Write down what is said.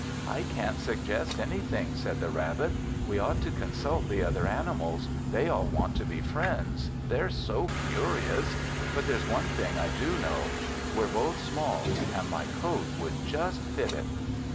"I can't suggest anything," said the rabbit. "We ought to consult the other animals. They all want to be friends; they're so curious. But there's one thing I do know: we're both small and my coat would just fit it."